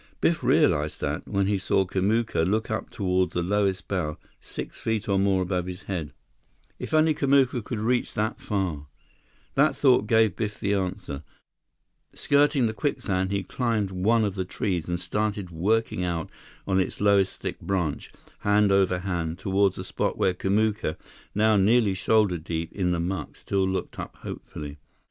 Biff realized that, when he saw Kamuka look up toward the lowest bough, six feet or more above his head. [Illustration: Biff felt the soft bank giving way beneath him] If only Kamuka could reach that far! That thought gave Biff the answer. Skirting the quicksand, he climbed one of the trees and started working out on its lowest thick branch, hand over hand, toward the spot where Kamuka, now nearly shoulder deep in the muck, still looked up hopefully.